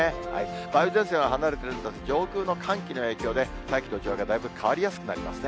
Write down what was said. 梅雨前線は離れてるんですが、上空の寒気の影響で、大気の状態がだいぶ変わりやすくなりますね。